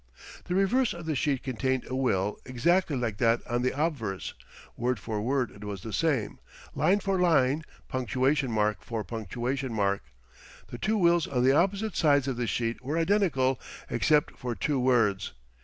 The reverse of the sheet contained a will exactly like that on the obverse. Word for word it was the same. Line for line, punctuation mark for punctuation mark, the two wills on the opposite sides of the sheet were identical except for two words.